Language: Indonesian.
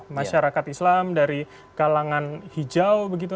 masyarakat islam dari kalangan hijau begitu